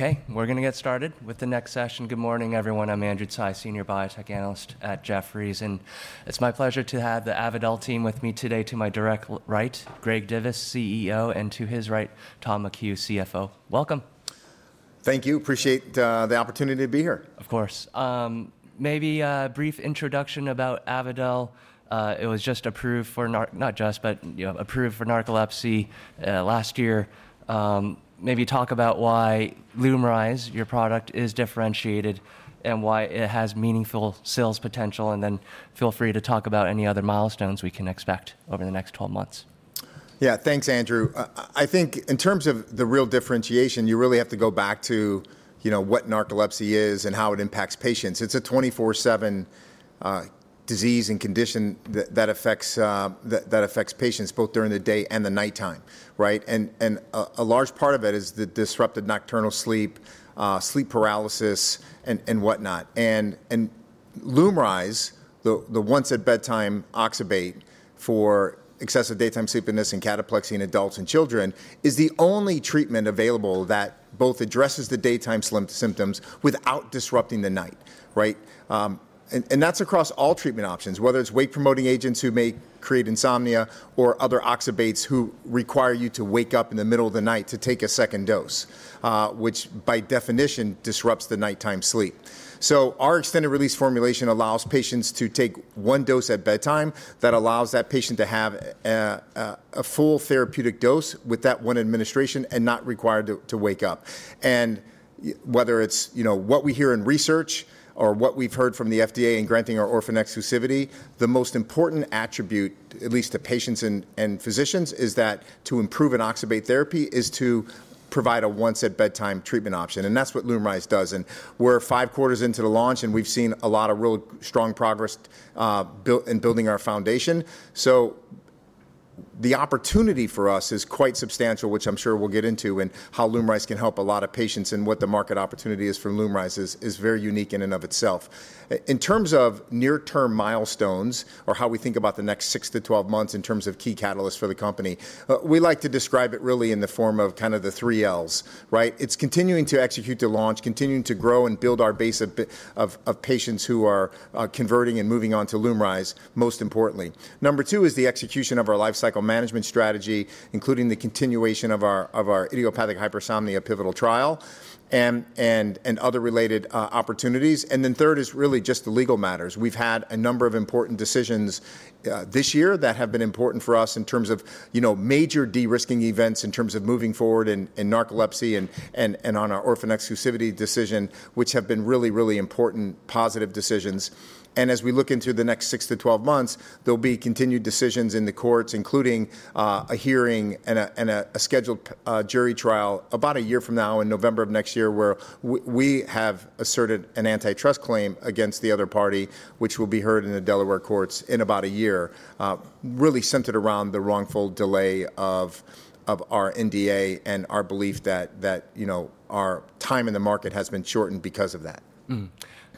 Okay, we're going to get started with the next session. Good morning, everyone. I'm Andrew Tsai, Senior Biotech Analyst at Jefferies, and it's my pleasure to have the Avadel team with me today. To my direct right, Greg Divis, CEO, and to his right, Tom McHugh, CFO. Welcome. Thank you. Appreciate the opportunity to be here. Of course. Maybe a brief introduction about Avadel. It was just approved for narcolepsy last year. Maybe talk about why LUMRYZ, your product, is differentiated and why it has meaningful sales potential. Then feel free to talk about any other milestones we can expect over the next 12 months. Yeah, thanks, Andrew. I think in terms of the real differentiation, you really have to go back to what narcolepsy is and how it impacts patients. It's a 24/7 disease and condition that affects patients both during the day and the nighttime. And a large part of it is the disrupted nocturnal sleep, sleep paralysis, and whatnot. And LUMRYZ, the once at bedtime oxybate for excessive daytime sleepiness and cataplexy in adults and children, is the only treatment available that both addresses the daytime symptoms without disrupting the night. And that's across all treatment options, whether it's wake-promoting agents who may create insomnia or other oxybates who require you to wake up in the middle of the night to take a second dose, which by definition disrupts the nighttime sleep. So our extended-release formulation allows patients to take one dose at bedtime that allows that patient to have a full therapeutic dose with that one administration and not required to wake up. And whether it's what we hear in research or what we've heard from the FDA in granting our orphan exclusivity, the most important attribute, at least to patients and physicians, is that to improve an oxybate therapy is to provide a once at bedtime treatment option. And that's what LUMRYZ does. And we're five quarters into the launch, and we've seen a lot of real strong progress in building our foundation. So the opportunity for us is quite substantial, which I'm sure we'll get into, and how LUMRYZ can help a lot of patients and what the market opportunity is for LUMRYZ is very unique in and of itself. In terms of near-term milestones or how we think about the next six to 12 months in terms of key catalysts for the company, we like to describe it really in the form of kind of the three L's. It's continuing to execute the launch, continuing to grow and build our base of patients who are converting and moving on to LUMRYZ, most importantly. Number two is the execution of our lifecycle management strategy, including the continuation of our idiopathic hypersomnia pivotal trial and other related opportunities. And then third is really just the legal matters. We've had a number of important decisions this year that have been important for us in terms of major de-risking events in terms of moving forward in narcolepsy and on our orphan exclusivity decision, which have been really, really important positive decisions. As we look into the next six to 12 months, there'll be continued decisions in the courts, including a hearing and a scheduled jury trial about a year from now in November of next year, where we have asserted an antitrust claim against the other party, which will be heard in the Delaware courts in about a year, really centered around the wrongful delay of our NDA and our belief that our time in the market has been shortened because of that.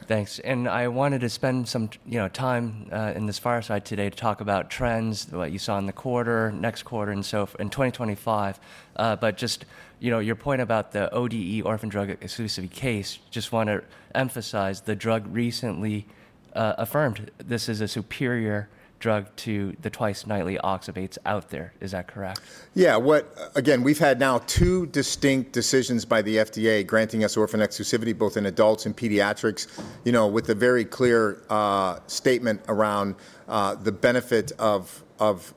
Thanks. And I wanted to spend some time in this fireside today to talk about trends, what you saw in the quarter, next quarter, and so in 2025. But just your point about the ODE, Orphan Drug Exclusivity case, just want to emphasize the judge recently affirmed this is a superior drug to the twice nightly oxybates out there. Is that correct? Yeah. Again, we've had now two distinct decisions by the FDA granting us orphan exclusivity, both in adults and pediatrics, with a very clear statement around the benefit of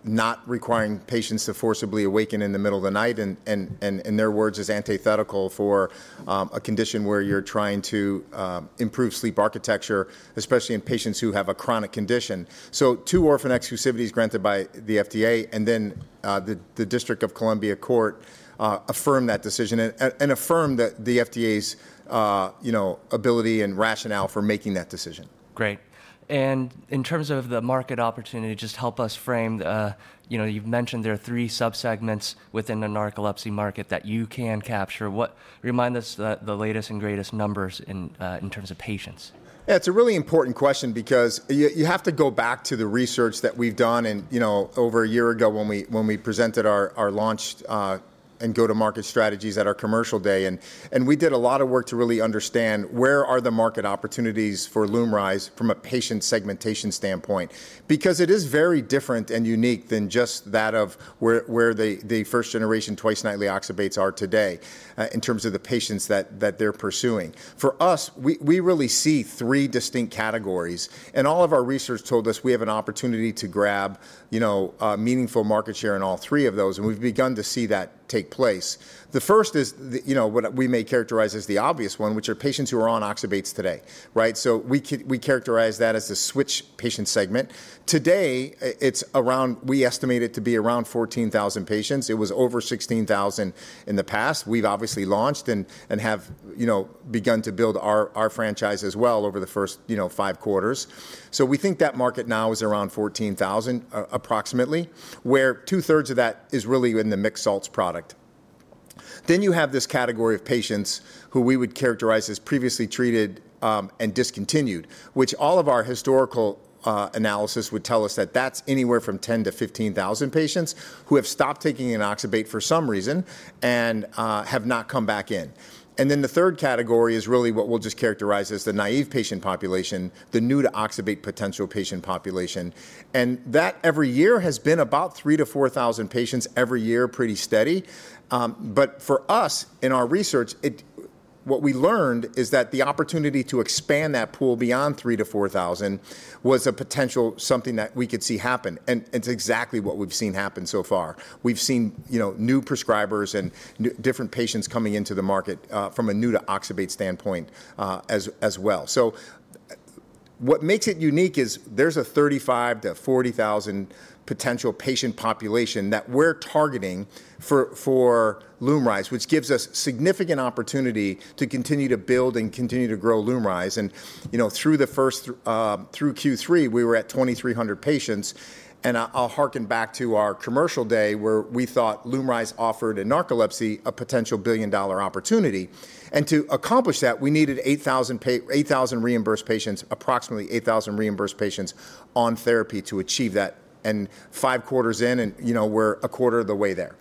not requiring patients to forcibly awaken in the middle of the night, and in their words, it's antithetical for a condition where you're trying to improve sleep architecture, especially in patients who have a chronic condition, so two orphan exclusivities granted by the FDA, and then the District of Columbia Court affirmed that decision and affirmed the FDA's ability and rationale for making that decision. Great. And in terms of the market opportunity, just help us frame. You've mentioned there are three subsegments within the narcolepsy market that you can capture. Remind us the latest and greatest numbers in terms of patients. Yeah, it's a really important question because you have to go back to the research that we've done over a year ago when we presented our launch and go-to-market strategies at our commercial day. And we did a lot of work to really understand where are the market opportunities for LUMRYZ from a patient segmentation standpoint, because it is very different and unique than just that of where the first-generation twice nightly oxybates are today in terms of the patients that they're pursuing. For us, we really see three distinct categories. And all of our research told us we have an opportunity to grab meaningful market share in all three of those. And we've begun to see that take place. The first is what we may characterize as the obvious one, which are patients who are on oxybates today. So we characterize that as the switch patient segment. Today, we estimate it to be around 14,000 patients. It was over 16,000 in the past. We've obviously launched and have begun to build our franchise as well over the first five quarters. So we think that market now is around 14,000 approximately, where 2/3 of that is really in the mixed salts product. Then you have this category of patients who we would characterize as previously treated and discontinued, which all of our historical analysis would tell us that that's anywhere from 10,000 to 15,000 patients who have stopped taking an oxybate for some reason and have not come back in. And then the third category is really what we'll just characterize as the naive patient population, the New-to-oxybate potential patient population. And that every year has been about 3,000 to 4,000 patients every year, pretty steady. But for us, in our research, what we learned is that the opportunity to expand that pool beyond 3,000-4,000 was a potential something that we could see happen. And it's exactly what we've seen happen so far. We've seen new prescribers and different patients coming into the market from a New-to-oxybate standpoint as well. So what makes it unique is there's a 35,000-40,000 potential patient population that we're targeting for LUMRYZ, which gives us significant opportunity to continue to build and continue to grow LUMRYZ. And through Q3, we were at 2,300 patients. And I'll hearken back to our commercial day where we thought LUMRYZ offered in narcolepsy a potential billion-dollar opportunity. And to accomplish that, we needed 8,000 reimbursed patients, approximately 8,000 reimbursed patients on therapy to achieve that. And five quarters in, and we're a quarter of the way there.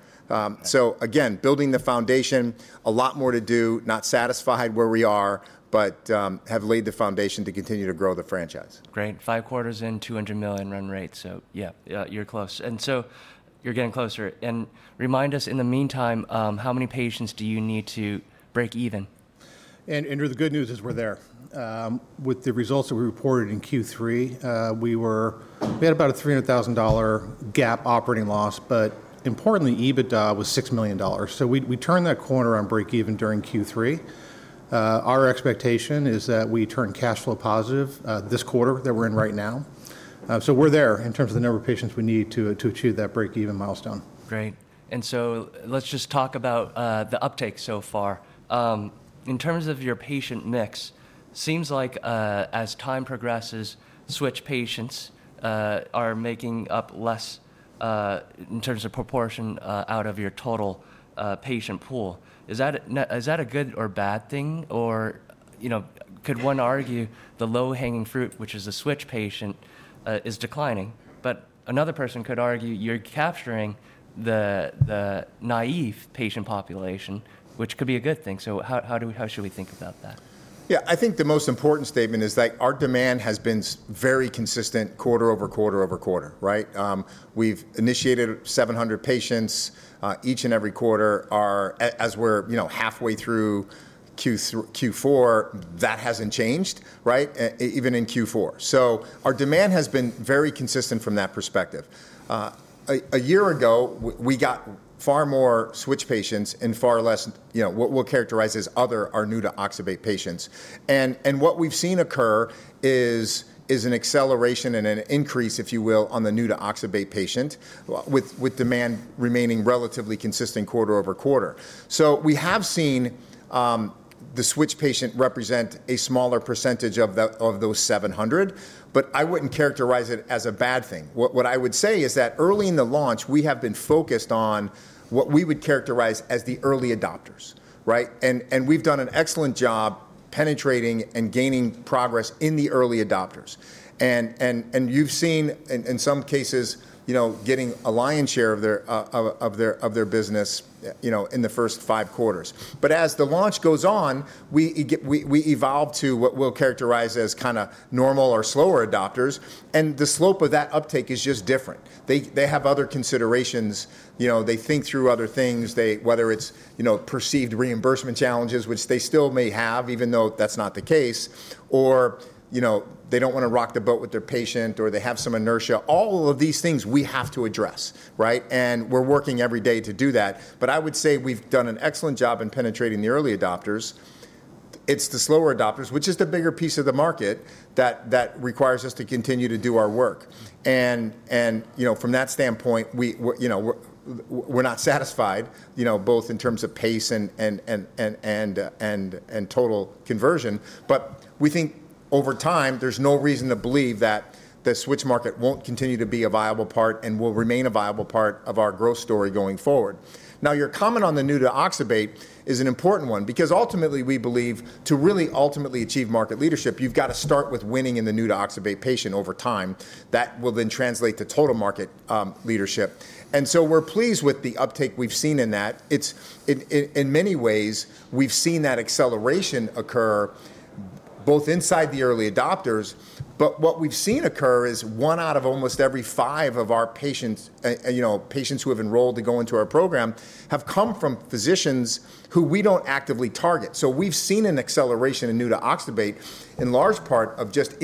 So, again, building the foundation, a lot more to do, not satisfied where we are, but have laid the foundation to continue to grow the franchise. Great. Five quarters in, $200 million run rate. So yeah, you're close. And so you're getting closer. And remind us in the meantime, how many patients do you need to break even? Andrew, the good news is we're there. With the results that we reported in Q3, we had about a $300,000 gap operating loss, but importantly, EBITDA was $6 million. So we turned that corner on break even during Q3. Our expectation is that we turn cash flow positive this quarter that we're in right now. So we're there in terms of the number of patients we need to achieve that break-even milestone. Great. And so let's just talk about the uptake so far. In terms of your patient mix, seems like as time progresses, switch patients are making up less in terms of proportion out of your total patient pool. Is that a good or bad thing? Or could one argue the low-hanging fruit, which is the switch patient, is declining? But another person could argue you're capturing the naive patient population, which could be a good thing. So how should we think about that? Yeah, I think the most important statement is that our demand has been very consistent quarter over quarter over quarter. We've initiated 700 patients each and every quarter. As we're halfway through Q4, that hasn't changed, even in Q4. So our demand has been very consistent from that perspective. A year ago, we got far more switch patients and far less what we'll characterize as other or New-to-oxybate patients. And what we've seen occur is an acceleration and an increase, if you will, on the New-to-oxybate patient with demand remaining relatively consistent quarter over quarter. So we have seen the switch patient represent a smaller percentage of those 700, but I wouldn't characterize it as a bad thing. What I would say is that early in the launch, we have been focused on what we would characterize as the early adopters. And we've done an excellent job penetrating and gaining progress in the early adopters. And you've seen in some cases getting a lion's share of their business in the first five quarters. But as the launch goes on, we evolve to what we'll characterize as kind of normal or slower adopters. And the slope of that uptake is just different. They have other considerations. They think through other things, whether it's perceived reimbursement challenges, which they still may have, even though that's not the case, or they don't want to rock the boat with their patient, or they have some inertia. All of these things we have to address. And we're working every day to do that. But I would say we've done an excellent job in penetrating the early adopters. It's the slower adopters, which is the bigger piece of the market that requires us to continue to do our work, and from that standpoint, we're not satisfied both in terms of pace and total conversion, but we think over time, there's no reason to believe that the switch market won't continue to be a viable part and will remain a viable part of our growth story going forward. Now, your comment on the New-to-oxybate is an important one because ultimately, we believe to really ultimately achieve market leadership, you've got to start with winning in the New-to-oxybate patient over time. That will then translate to total market leadership, and so we're pleased with the uptake we've seen in that. In many ways, we've seen that acceleration occur both inside the early adopters. But what we've seen occur is one out of almost every five of our patients who have enrolled to go into our program have come from physicians who we don't actively target. So we've seen an acceleration in New-to-oxybate in large part of just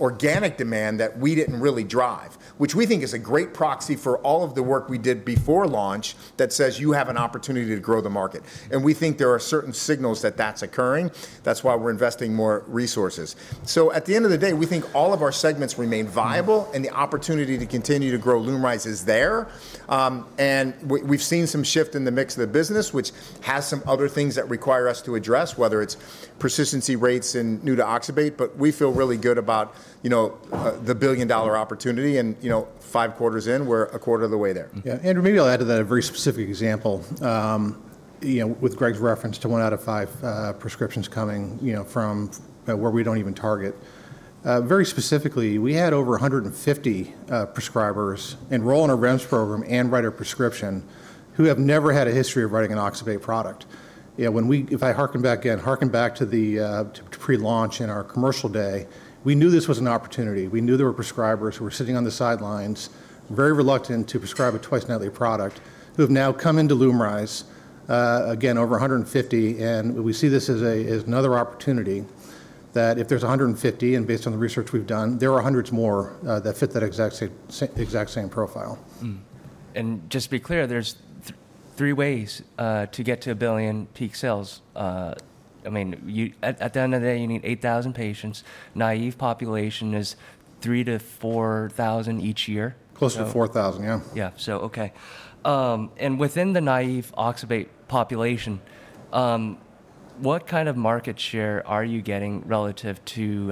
organic demand that we didn't really drive, which we think is a great proxy for all of the work we did before launch that says you have an opportunity to grow the market. And we think there are certain signals that that's occurring. That's why we're investing more resources. So at the end of the day, we think all of our segments remain viable, and the opportunity to continue to grow LUMRYZ is there. And we've seen some shift in the mix of the business, which has some other things that require us to address, whether it's persistency rates in New-to-oxybate. But we feel really good about the billion-dollar opportunity. And five quarters in, we're a quarter of the way there. Yeah. Andrew, maybe I'll add to that a very specific example with Greg's reference to one out of five prescriptions coming from where we don't even target. Very specifically, we had over 150 prescribers enroll in our REMS program and write a prescription who have never had a history of writing an oxybate product. If I hearken back again to the pre-launch in our commercial day, we knew this was an opportunity. We knew there were prescribers who were sitting on the sidelines, very reluctant to prescribe a twice nightly product, who have now come into LUMRYZ, again, over 150, and we see this as another opportunity that if there's 150, and based on the research we've done, there are hundreds more that fit that exact same profile. And just to be clear, there are three ways to get to $1 billion peak sales. I mean, at the end of the day, you need 8,000 patients. Naive population is 3,000 to 4,000 each year. Close to 4,000, yeah. Yeah. So, okay, and within the naive oxybate population, what kind of market share are you getting relative to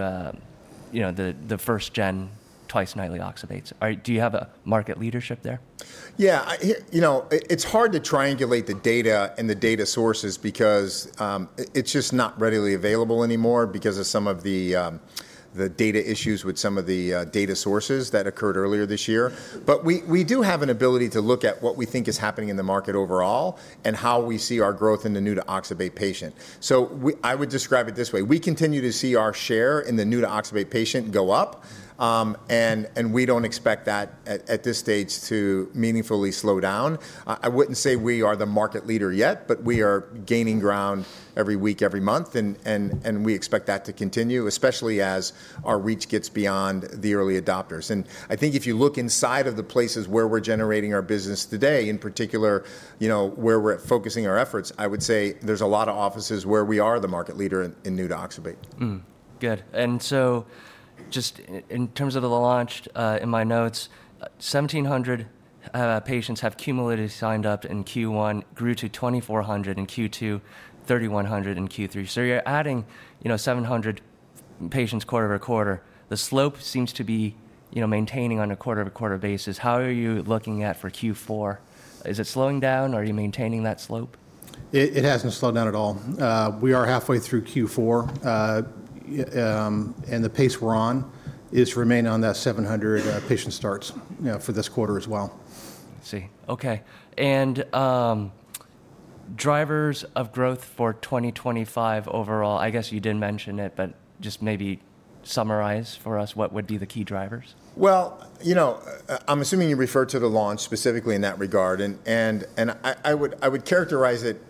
the first-gen twice nightly oxybates? Do you have a market leadership there? Yeah. It's hard to triangulate the data and the data sources because it's just not readily available anymore because of some of the data issues with some of the data sources that occurred earlier this year. But we do have an ability to look at what we think is happening in the market overall and how we see our growth in the new-to-oxybate patient. So I would describe it this way. We continue to see our share in the new-to-oxybate patient go up. And we don't expect that at this stage to meaningfully slow down. I wouldn't say we are the market leader yet, but we are gaining ground every week, every month. And we expect that to continue, especially as our reach gets beyond the early adopters. And I think if you look inside of the places where we're generating our business today, in particular where we're focusing our efforts, I would say there's a lot of offices where we are the market leader in New-to-oxybate. Good. And so just in terms of the launch in my notes, 1,700 patients have cumulatively signed up in Q1, grew to 2,400 in Q2, 3,100 in Q3. So you're adding 700 patients quarter over quarter. The slope seems to be maintaining on a quarter over quarter basis. How are you looking at for Q4? Is it slowing down, or are you maintaining that slope? It hasn't slowed down at all. We are halfway through Q4, and the pace we're on is remaining on that 700 patient starts for this quarter as well. I see. Okay, and drivers of growth for 2025 overall, I guess you didn't mention it, but just maybe summarize for us what would be the key drivers. Well, I'm assuming you refer to the launch specifically in that regard. And I would characterize it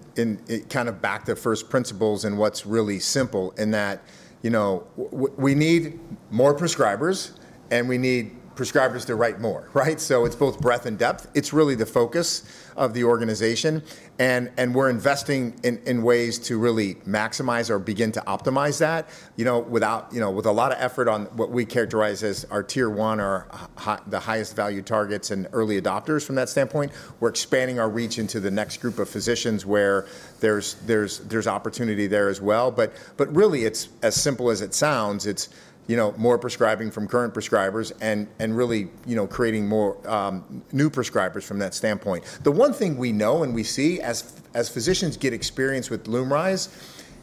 kind of back to first principles and what's really simple in that we need more prescribers, and we need prescribers to write more. So it's both breadth and depth. It's really the focus of the organization. And we're investing in ways to really maximize or begin to optimize that. With a lot of effort on what we characterize as our tier one or the highest value targets and early adopters from that standpoint, we're expanding our reach into the next group of physicians where there's opportunity there as well. But really, it's as simple as it sounds. It's more prescribing from current prescribers and really creating more new prescribers from that standpoint. The one thing we know and we see as physicians get experience with LUMRYZ,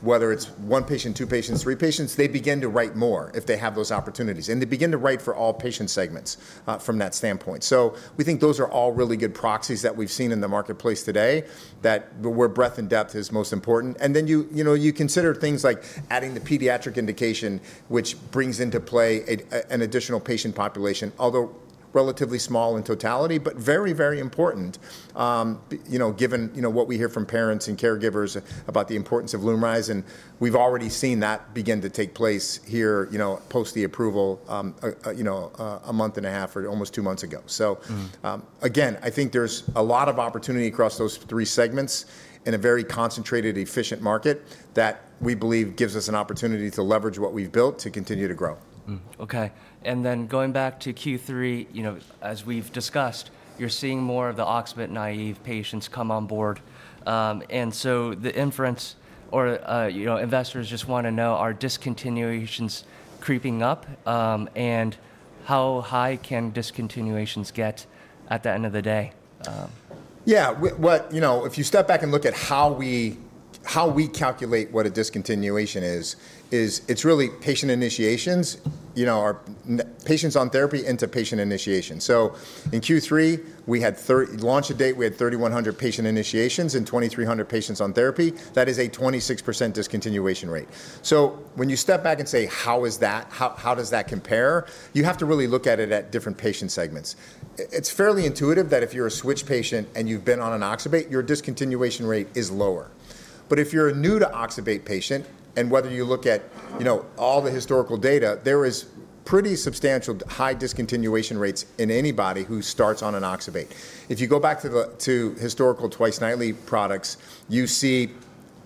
whether it's one patient, two patients, three patients, they begin to write more if they have those opportunities. And they begin to write for all patient segments from that standpoint. So we think those are all really good proxies that we've seen in the marketplace today that where breadth and depth is most important. And then you consider things like adding the pediatric indication, which brings into play an additional patient population, although relatively small in totality, but very, very important given what we hear from parents and caregivers about the importance of LUMRYZ. And we've already seen that begin to take place here post the approval a month and a half or almost two months ago. So again, I think there's a lot of opportunity across those three segments in a very concentrated, efficient market that we believe gives us an opportunity to leverage what we've built to continue to grow. Okay. And then going back to Q3, as we've discussed, you're seeing more of the oxybate-naive patients come on board. And so the inference is investors just want to know, are discontinuations creeping up? And how high can discontinuations get at the end of the day? Yeah. If you step back and look at how we calculate what a discontinuation is, it's really patient initiations, patients on therapy into patient initiation. So in Q3, we had a launch date, we had 3,100 patient initiations and 2,300 patients on therapy. That is a 26% discontinuation rate. So when you step back and say, how is that? How does that compare? You have to really look at it at different patient segments. It's fairly intuitive that if you're a switch patient and you've been on an oxybate, your discontinuation rate is lower. But if you're a New-to-oxybate patient, and whether you look at all the historical data, there is pretty substantial high discontinuation rates in anybody who starts on an oxybate. If you go back to historical twice nightly products, you see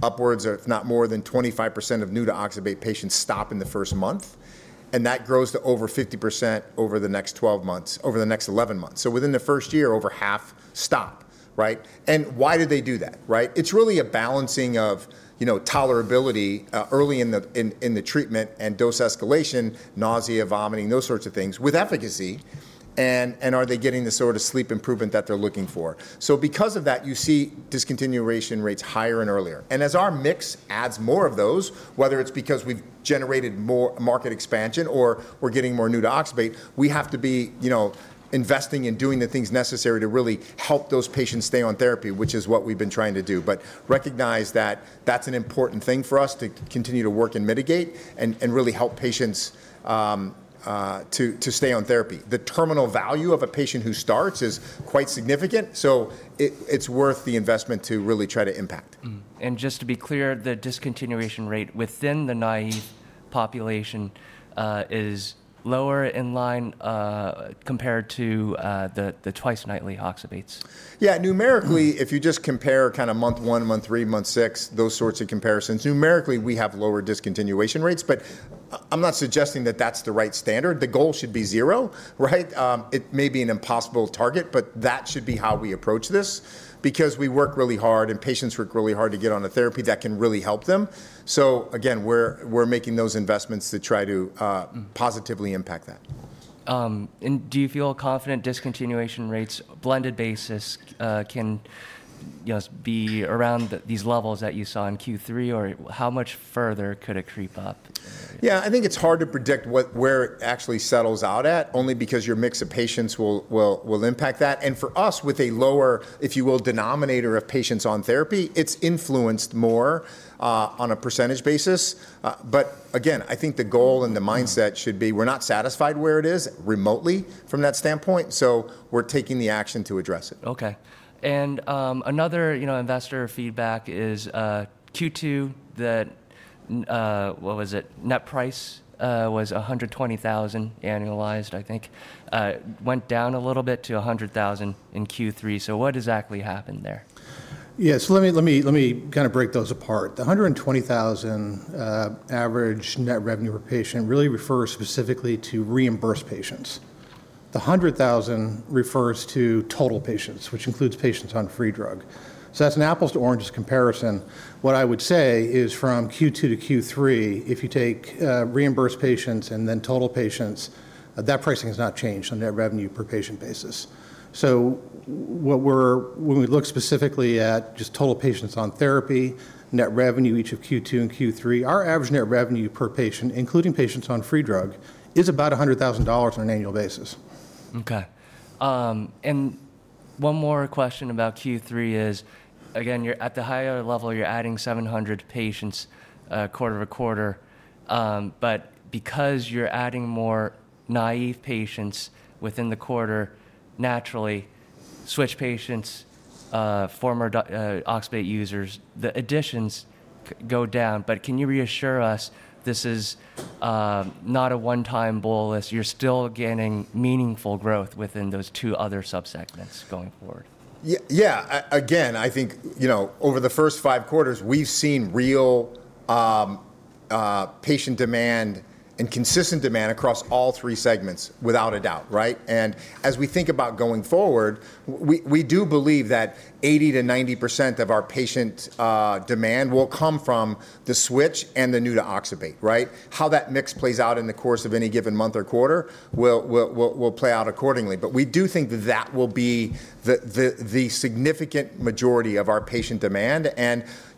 upwards of not more than 25% of New-to-oxybate patients stop in the first month. And that grows to over 50% over the next 12 months, over the next 11 months. So within the first year, over half stop. And why did they do that? It's really a balancing of tolerability early in the treatment and dose escalation, nausea, vomiting, those sorts of things with efficacy. And are they getting the sort of sleep improvement that they're looking for? So because of that, you see discontinuation rates higher and earlier. As our mix adds more of those, whether it's because we've generated more market expansion or we're getting more New-to-oxybate, we have to be investing and doing the things necessary to really help those patients stay on therapy, which is what we've been trying to do. Recognize that that's an important thing for us to continue to work and mitigate and really help patients to stay on therapy. The terminal value of a patient who starts is quite significant. It's worth the investment to really try to impact. Just to be clear, the discontinuation rate within the naive population is lower in line compared to the twice nightly oxybate. Yeah. Numerically, if you just compare kind of month one, month three, month six, those sorts of comparisons, numerically, we have lower discontinuation rates. But I'm not suggesting that that's the right standard. The goal should be zero. It may be an impossible target, but that should be how we approach this because we work really hard and patients work really hard to get on a therapy that can really help them. So again, we're making those investments to try to positively impact that. Do you feel confident discontinuation rates, blended basis, can be around these levels that you saw in Q3, or how much further could it creep up? Yeah. I think it's hard to predict where it actually settles out at, only because your mix of patients will impact that, and for us, with a lower, if you will, denominator of patients on therapy, it's influenced more on a percentage basis, but again, I think the goal and the mindset should be we're not satisfied where it is remotely from that standpoint, so we're taking the action to address it. Okay. And another investor feedback is Q2 that, what was it, net price was $120,000 annualized, I think, went down a little bit to $100,000 in Q3. So what exactly happened there? Yeah. So let me kind of break those apart. The $120,000 average net revenue per patient really refers specifically to reimbursed patients. The $100,000 refers to total patients, which includes patients on free drug. So that's an apples-to-oranges comparison. What I would say is from Q2 to Q3, if you take reimbursed patients and then total patients, that pricing has not changed on net revenue per patient basis. So when we look specifically at just total patients on therapy, net revenue each of Q2 and Q3, our average net revenue per patient, including patients on free drug, is about $100,000 on an annual basis. Okay. And one more question about Q3 is, again, at the higher level, you're adding 700 patients quarter over quarter. But because you're adding more naive patients within the quarter, naturally, switch patients, former Oxybate users, the additions go down. But can you reassure us this is not a one-time [blip?] You're still getting meaningful growth within those two other subsegments going forward. Yeah. Again, I think over the first five quarters, we've seen real patient demand and consistent demand across all three segments without a doubt. And as we think about going forward, we do believe that 80%-90% of our patient demand will come from the switch and the New-to-oxybate. How that mix plays out in the course of any given month or quarter will play out accordingly. But we do think that that will be the significant majority of our patient demand.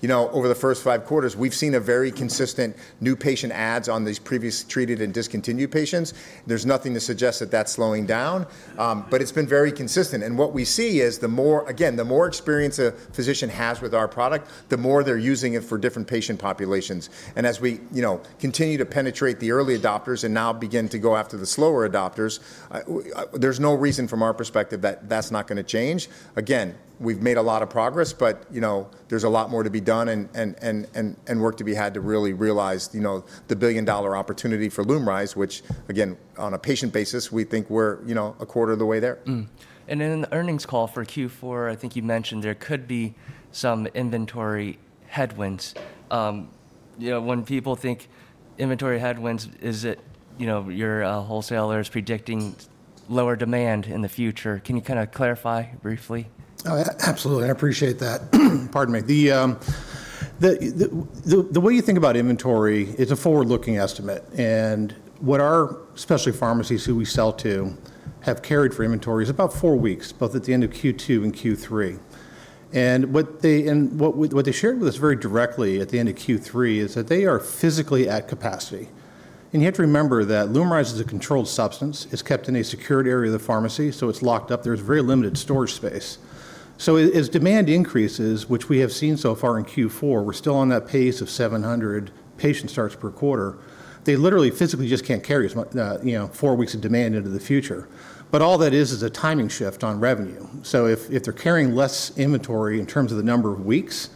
And over the first five quarters, we've seen a very consistent new patient adds on these previously treated and discontinued patients. There's nothing to suggest that that's slowing down. But it's been very consistent. And what we see is, again, the more experience a physician has with our product, the more they're using it for different patient populations. And as we continue to penetrate the early adopters and now begin to go after the slower adopters, there's no reason from our perspective that that's not going to change. Again, we've made a lot of progress, but there's a lot more to be done and work to be had to really realize the billion-dollar opportunity for LUMRYZ, which, again, on a patient basis, we think we're a quarter of the way there. And in the earnings call for Q4, I think you mentioned there could be some inventory headwinds. When people think inventory headwinds, is it your wholesalers predicting lower demand in the future? Can you kind of clarify briefly? Absolutely. I appreciate that. Pardon me. The way you think about inventory is a forward-looking estimate, and what our specialty pharmacies who we sell to have carried for inventory is about four weeks, both at the end of Q2 and Q3, and what they shared with us very directly at the end of Q3 is that they are physically at capacity, and you have to remember that LUMRYZ is a controlled substance. It's kept in a secured area of the pharmacy, so it's locked up. There's very limited storage space, so as demand increases, which we have seen so far in Q4, we're still on that pace of 700 patient starts per quarter. They literally physically just can't carry four weeks of demand into the future, but all that is is a timing shift on revenue. So if they're carrying less inventory in terms of the number of weeks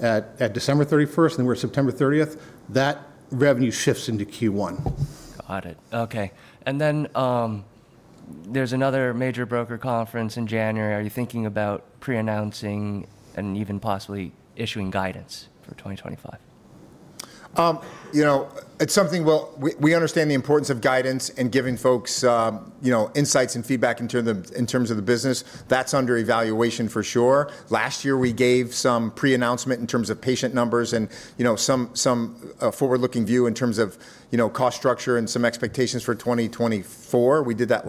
at December 31st and we're September 30th, that revenue shifts into Q1. Got it. Okay. And then there's another major broker conference in January. Are you thinking about pre-announcing and even possibly issuing guidance for 2025? It's something we understand the importance of guidance and giving folks insights and feedback in terms of the business. That's under evaluation for sure. Last year, we gave some pre-announcement in terms of patient numbers and some forward-looking view in terms of cost structure and some expectations for 2024. We did that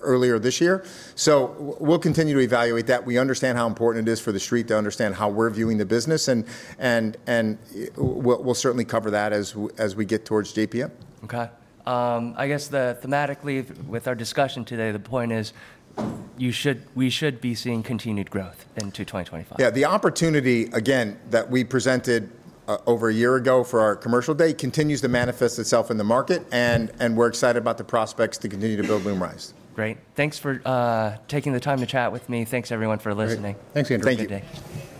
earlier this year. So we'll continue to evaluate that. We understand how important it is for the street to understand how we're viewing the business, and we'll certainly cover that as we get towards JPM. Okay. I guess thematically with our discussion today, the point is we should be seeing continued growth into 2025. Yeah. The opportunity, again, that we presented over a year ago for our commercial day continues to manifest itself in the market, and we're excited about the prospects to continue to build LUMRYZ. Great. Thanks for taking the time to chat with me. Thanks, everyone, for listening. Thanks, Andrew. Thank you, Greg.